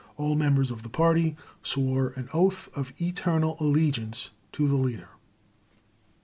All members of the Party swore an oath of "eternal allegiance" to the leader.